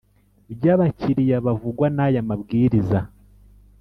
By abakiriya bavugwa n aya mabwiriza